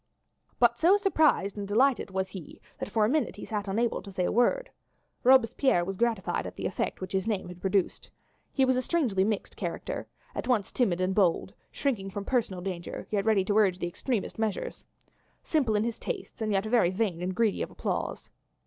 But so surprised and so delighted was he that for a minute he sat unable to say a word. Robespierre was gratified at the effect which his name had produced. His was a strangely mixed character at once timid and bold, shrinking from personal danger, yet ready to urge the extremest measures. Simple in his tastes, and yet very vain and greedy of applause.